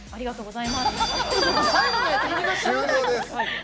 終了です！